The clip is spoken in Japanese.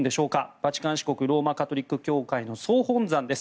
バチカン市国ローマ・カトリック教会の総本山です。